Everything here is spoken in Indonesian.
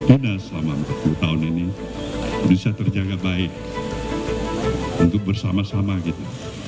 ada selama empat puluh tahun ini bisa terjaga baik untuk bersama sama gitu